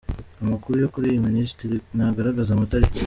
Amakuru yo kuri iyi Minisiteri ntagaragaza amatariki.